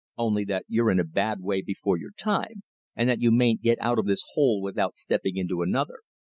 "Only that you're in a bad way before your time, and that you mayn't get out of this hole without stepping into another.